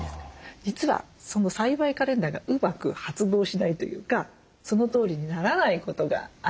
実はその栽培カレンダーがうまく発動しないというかその通りにならないことがありますよね。